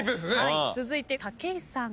続いて武井さん。